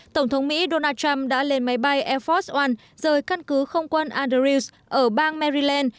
tổng thống mỹ donald trump đã lên máy bay air force one rời căn cứ không quan andrews ở bang maryland